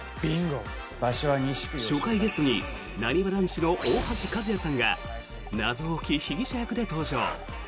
初回ゲストになにわ男子の大橋和也さんが謎多き被疑者役で登場！